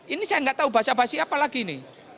ini saya enggak tahu bahasa bahasi apa lagi ini